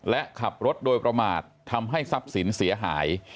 และขับรถโดยประมาททำให้ทรัพย์สินเสียหาย